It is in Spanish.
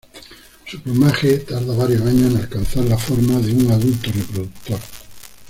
Su plumaje tarda varios años en alcanzar la forma de un adulto reproductor.